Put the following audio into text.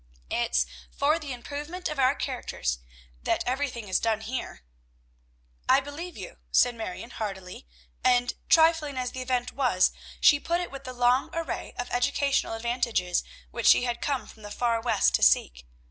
It's 'for the improvement of our characters' that everything is done here." "I believe you," said Marion heartily; and, trifling as the event was, she put it with the long array of educational advantages which she had come from the far West to seek.